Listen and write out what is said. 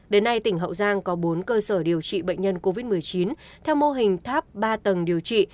đến nay tỉnh hậu giang có bốn cơ sở điều trị bệnh nhân covid một mươi chín theo mô hình tháp ba tầng điều trị